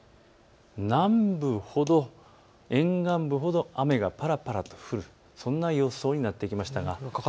南部ほど、沿岸部ほど雨がぱらぱらと降る、そんな予想になってきました。